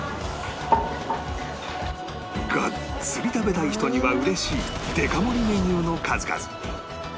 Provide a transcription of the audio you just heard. ガッツリ食べたい人にはうれしいデカ盛りメニューの数々